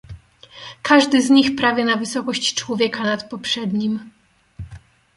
"Każdy z nich prawie na wysokość człowieka nad poprzednim."